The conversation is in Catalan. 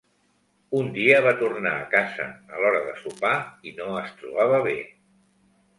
Un dia, va tornar a casa a l'hora de sopar i no es trobava bé.